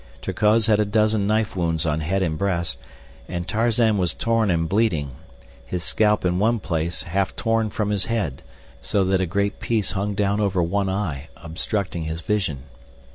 Terkoz had a dozen knife wounds on head and breast, and Tarzan was torn and bleeding—his scalp in one place half torn from his head so that a great piece hung down over one eye, obstructing his vision.